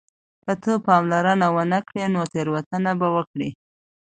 که ته پاملرنه ونه کړې نو تېروتنه به وکړې.